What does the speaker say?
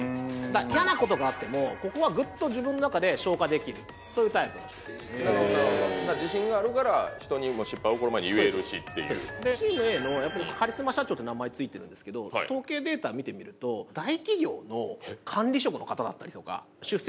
嫌なことがあってもここはぐっと自分の中で消化できるそういうタイプの人なるほどなるほど自信があるから人にも失敗起こる前に言えるしっていうチームＡのカリスマ社長って名前ついてるんですけどおもしろいデータがあってやってました？